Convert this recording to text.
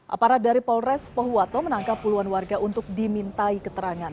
aparat dari polres pohuwato menangkap puluhan warga untuk dimintai keterangan